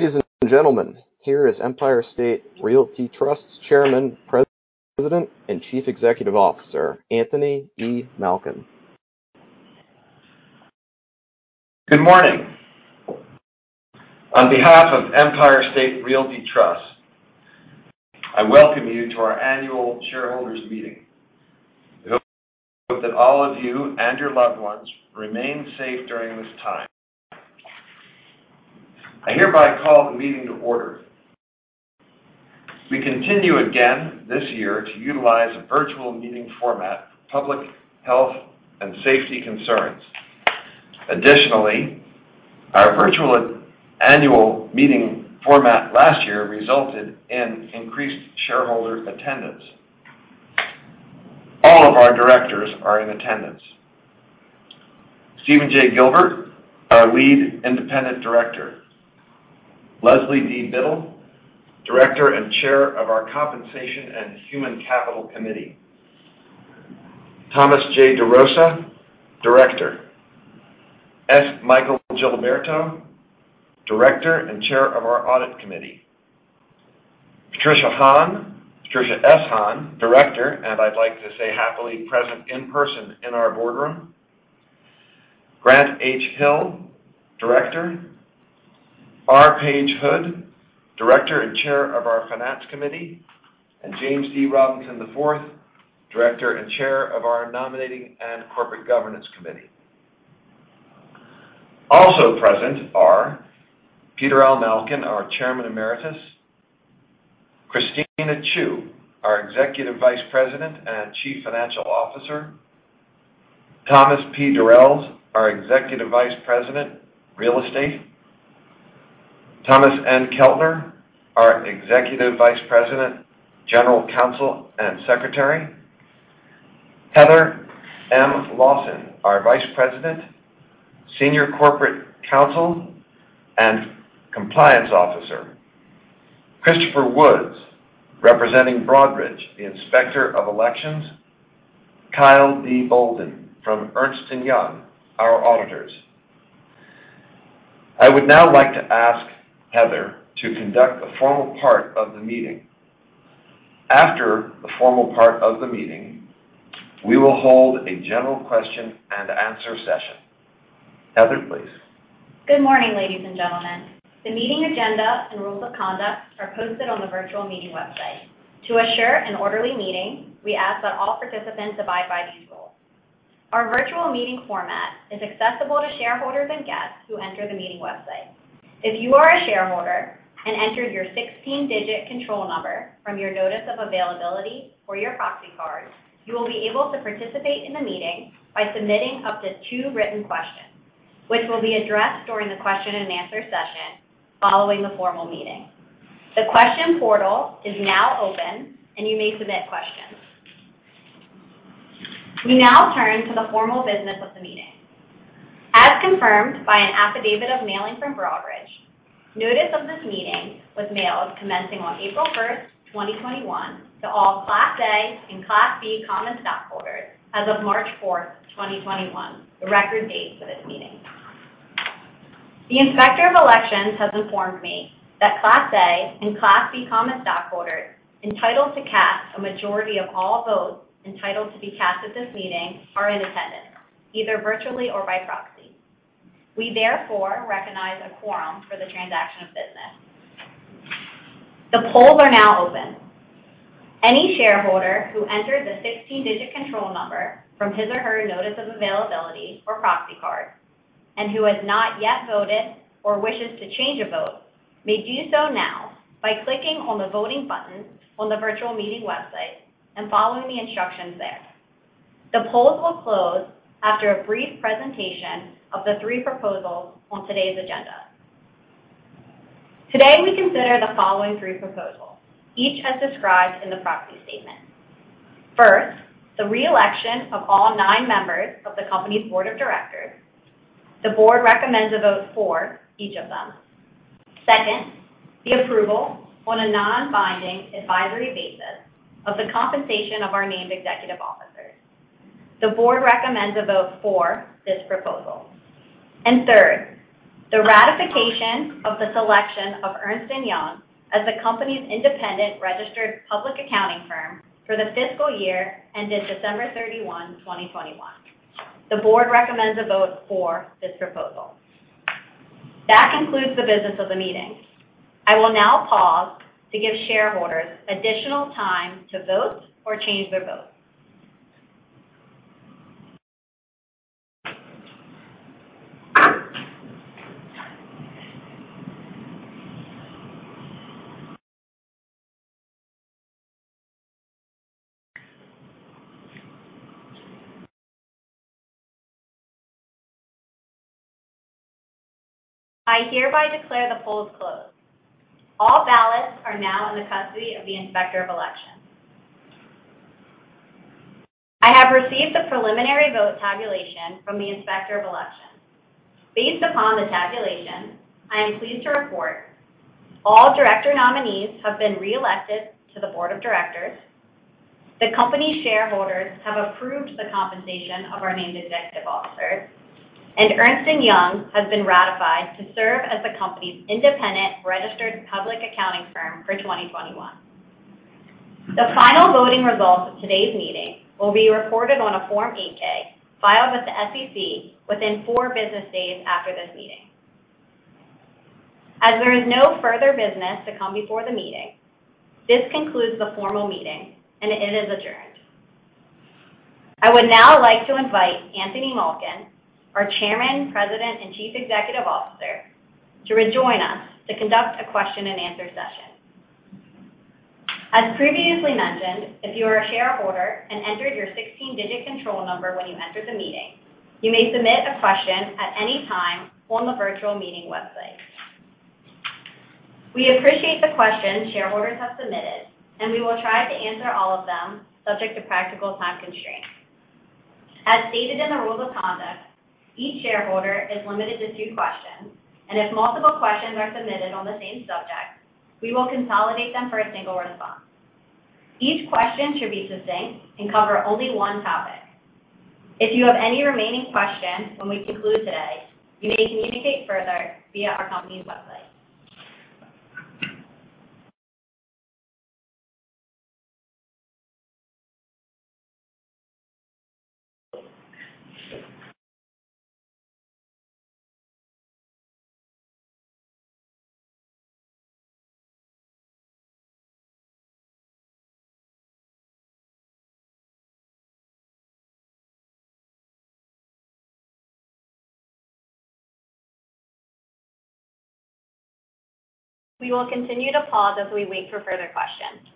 Ladies and gentlemen, here is Empire State Realty Trust's Chairman, President, and Chief Executive Officer, Anthony E. Malkin. Good morning. On behalf of Empire State Realty Trust, I welcome you to our annual shareholders' meeting. We hope that all of you and your loved ones remain safe during this time. I hereby call the meeting to order. We continue again this year to utilize a virtual meeting format for public health and safety concerns. Additionally, our virtual annual meeting format last year resulted in increased shareholder attendance. All of our directors are in attendance. Steven J. Gilbert, our Lead Independent Director. Leslie D. Biddle, Director and Chair of our Compensation and Human Capital Committee. Thomas J. DeRosa, Director. S. Michael Giliberto, Director and Chair of our Audit Committee. Patricia S. Han, Director, and I'd like to say happily present in person in our boardroom. Grant H. Hill, Director. R. Paige Hood, Director and Chair of our Finance Committee, and James D. Robinson IV, Director and Chair of our Nominating and Corporate Governance Committee. Also present are Peter L. Malkin, our Chairman Emeritus. Christina Chiu, our Executive Vice President and Chief Financial Officer. Thomas P. Durels, our Executive Vice President, Real Estate. Thomas N. Keltner, our Executive Vice President, General Counsel and Secretary. Heather M. Losson, our Vice President, Senior Corporate Counsel and Compliance Officer. Christopher Woods, representing Broadridge, the Inspector of Elections. Kyle D. Bolden from Ernst & Young, our auditors. I would now like to ask Heather to conduct the formal part of the meeting. After the formal part of the meeting, we will hold a general question and answer session. Heather, please. Good morning, ladies and gentlemen. The meeting agenda and rules of conduct are posted on the virtual meeting website. To assure an orderly meeting, we ask that all participants abide by these rules. Our virtual meeting format is accessible to shareholders and guests who enter the meeting website. If you are a shareholder and entered your 16-digit control number from your Notice of Availability or your proxy card, you will be able to participate in the meeting by submitting up to two written questions, which will be addressed during the question and answer session following the formal meeting. The question portal is now open, and you may submit questions. We now turn to the formal business of the meeting. As confirmed by an affidavit of mailing from Broadridge, notice of this meeting was mailed commencing on April 1st, 2021 to all Class A and Class B common stockholders as of March 4th, 2021, the record date for this meeting. The Inspector of Elections has informed me that Class A and Class B common stockholders entitled to cast a majority of all votes entitled to be cast at this meeting are in attendance, either virtually or by proxy. We therefore recognize a quorum for the transaction of business. The polls are now open. Any shareholder who entered the 16-digit control number from his or her Notice of Availability or proxy card, and who has not yet voted or wishes to change a vote, may do so now by clicking on the voting button on the virtual meeting website and following the instructions there. The polls will close after a brief presentation of the three proposals on today's agenda. Today, we consider the following three proposals, each as described in the proxy statement. First, the re-election of all nine members of the company's board of directors. The board recommends a vote for each of them. Second, the approval on a non-binding advisory basis of the compensation of our named executive officers. The board recommends a vote for this proposal. Third, the ratification of the selection of Ernst & Young as the company's independent registered public accounting firm for the fiscal year ended December 31, 2021. The board recommends a vote for this proposal. That concludes the business of the meeting. I will now pause to give shareholders additional time to vote or change their vote. I hereby declare the polls closed. All ballots are now in the custody of the Inspector of Elections. I have received the preliminary vote tabulation from the Inspector of Elections. Based upon the tabulation, I am pleased to report all director nominees have been re-elected to the board of directors. The company shareholders have approved the compensation of our named executive officers, and Ernst & Young has been ratified to serve as the company's independent registered public accounting firm for 2021. The final voting results of today's meeting will be reported on a Form 8-K filed with the SEC within four business days after this meeting. There is no further business to come before the meeting, this concludes the formal meeting and it is adjourned. I would now like to invite Anthony Malkin, our Chairman, President, and Chief Executive Officer, to rejoin us to conduct a question and answer session. As previously mentioned, if you are a shareholder and entered your 16-digit control number when you entered the meeting, you may submit a question at any time on the virtual meeting website. We appreciate the questions shareholders have submitted, and we will try to answer all of them subject to practical time constraints. As stated in the rule of conduct, each shareholder is limited to two questions, and if multiple questions are submitted on the same subject, we will consolidate them for a single response. Each question should be succinct and cover only one topic. If you have any remaining questions when we conclude today, you may communicate further via our company's website. We will continue to pause as we wait for further questions.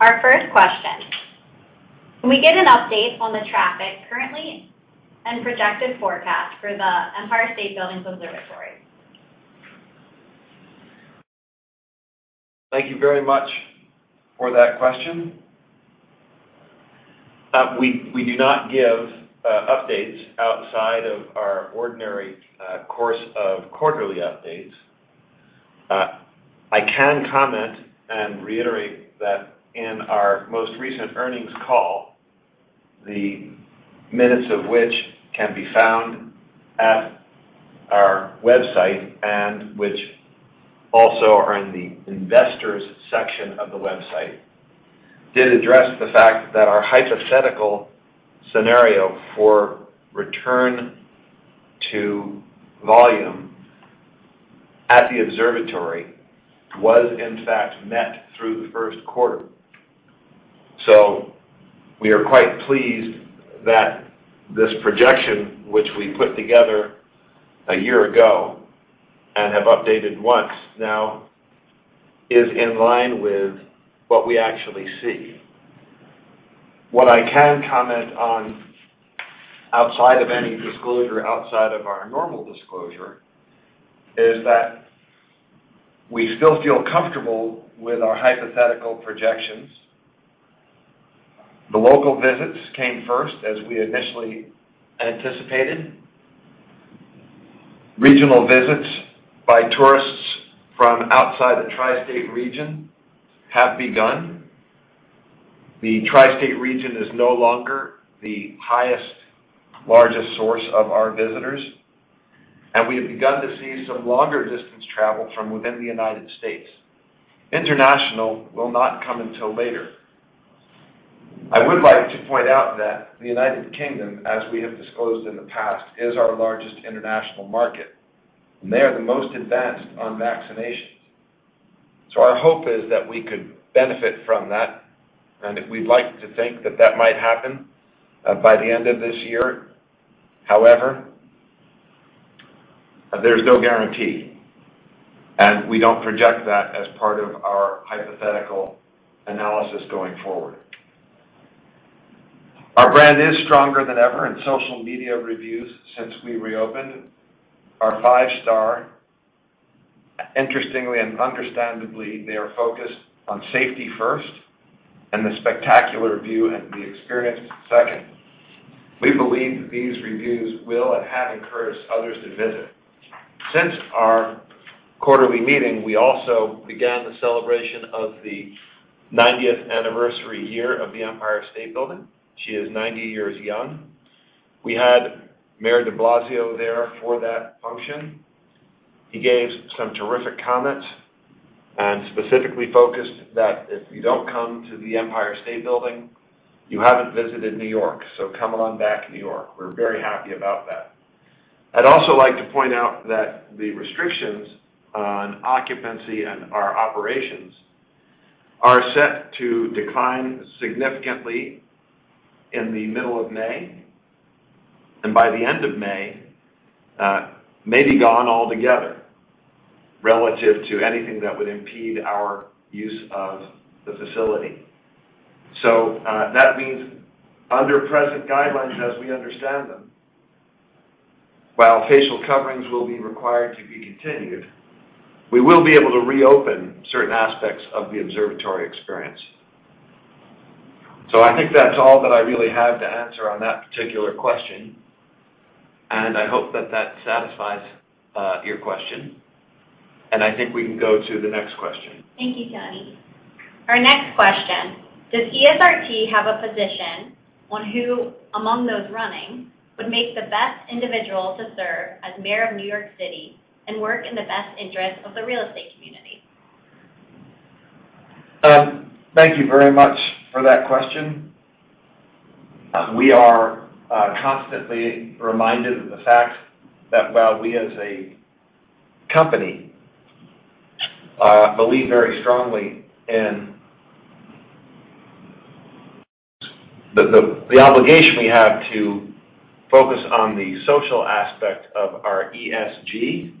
Our first question, "Can we get an update on the traffic currently and projected forecast for the Empire State Building Observatory? Thank you very much for that question. We do not give updates outside of our ordinary course of quarterly updates. I can comment and reiterate that in our most recent earnings call, the minutes of which can be found at our website and which also are in the investors section of the website, did address the fact that our hypothetical scenario for return to volume at the observatory was in fact met through the first quarter. We are quite pleased that this projection, which we put together a year ago and have updated once now, is in line with what we actually see. What I can comment on outside of any disclosure, outside of our normal disclosure, is that we still feel comfortable with our hypothetical projections. The local visits came first as we initially anticipated. Regional visits by tourists from outside the tri-state region have begun. The tri-state region is no longer the highest, largest source of our visitors, and we have begun to see some longer distance travel from within the United States. International will not come until later. I would like to point out that the United Kingdom, as we have disclosed in the past, is our largest international market, and they are the most advanced on vaccinations. Our hope is that we could benefit from that, and we'd like to think that that might happen by the end of this year. There's no guarantee, and we don't project that as part of our hypothetical analysis going forward. Our brand is stronger than ever in social media reviews since we reopened. Our five-star. Interestingly and understandably, they are focused on safety first and the spectacular view and the experience second. We believe that these reviews will and have encouraged others to visit. Since our quarterly meeting, we also began the celebration of the 90th anniversary year of the Empire State Building. She is 90 years young. We had Mayor de Blasio there for that function. He gave some terrific comments and specifically focused that if you don't come to the Empire State Building, you haven't visited New York. Come on back, New York. We're very happy about that. I'd also like to point out that the restrictions on occupancy and our operations are set to decline significantly in the middle of May, and by the end of May, may be gone altogether relative to anything that would impede our use of the facility. That means under present guidelines, as we understand them, while facial coverings will be required to be continued, we will be able to reopen certain aspects of the observatory experience. I think that's all that I really have to answer on that particular question. I hope that that satisfies your question. I think we can go to the next question. Thank you, Tony. Our next question: Does ESRT have a position on who, among those running, would make the best individual to serve as mayor of New York City and work in the best interest of the real estate community? Thank you very much for that question. We are constantly reminded of the fact that while we as a company believe very strongly in the obligation we have to focus on the social aspect of our ESG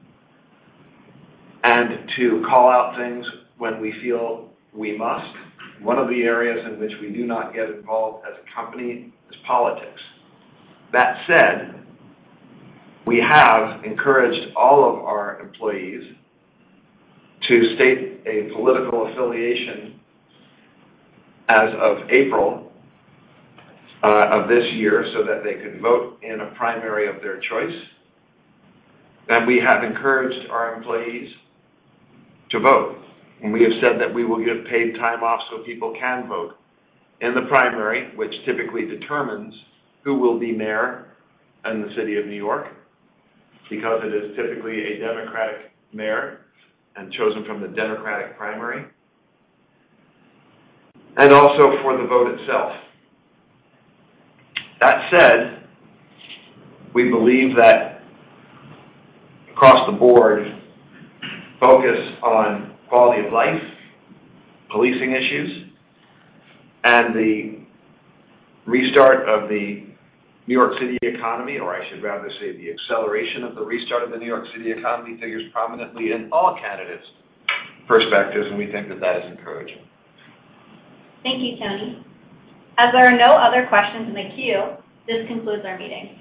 and to call out things when we feel we must. One of the areas in which we do not get involved as a company is politics. That said, we have encouraged all of our employees to state a political affiliation as of April of this year, so that they could vote in a primary of their choice, and we have encouraged our employees to vote. We have said that we will give paid time off so people can vote in the primary, which typically determines who will be mayor in the city of New York, because it is typically a Democratic mayor and chosen from the Democratic primary, and also for the vote itself. That said, we believe that across the board, focus on quality of life, policing issues, and the restart of the New York City economy, or I should rather say the acceleration of the restart of the New York City economy, figures prominently in all candidates' perspectives, and we think that that is encouraging. Thank you, Tony. As there are no other questions in the queue, this concludes our meeting.